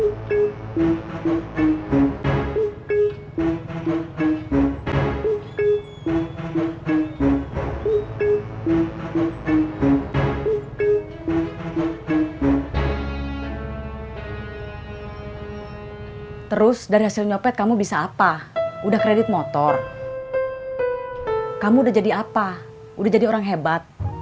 hai terus dari hasil nyopet kamu bisa apa udah kredit motor kamu udah jadi apa udah jadi orang hebat